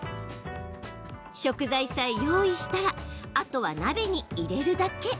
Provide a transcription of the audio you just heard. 食材さえ用意したらあとは鍋に入れるだけ。